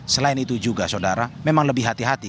selain itu juga saudara memang lebih hati hati